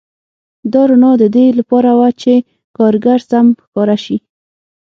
دا رڼا د دې لپاره وه چې کارګر سم ښکاره شي